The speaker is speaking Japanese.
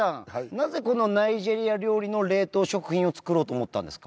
なぜこのナイジェリア料理の冷凍食品を作ろうと思ったんですか？